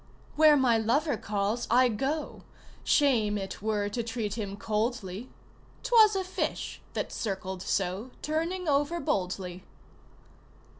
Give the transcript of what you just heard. "Where my lover calls I go Shame it were to treat him coldly 'Twas a fish that circled so, Turning over boldly."